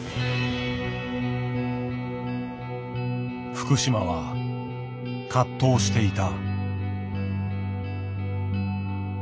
福島は葛藤していた。